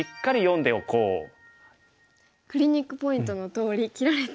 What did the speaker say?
クリニックポイントのとおり切られたあとが。